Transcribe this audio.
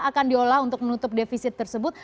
akan diolah untuk menutup defisit tersebut